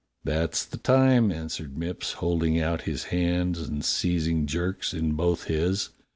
"That's the time," answered Mipps, holding out his hands and seizing Jerk's in both his.